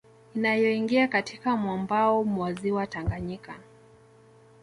Inayoingia katika mwambao mwa Ziwa Tanganyika